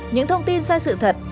những thông tin sai sự thật